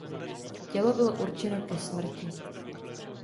Tělo bylo určeno ke smrti.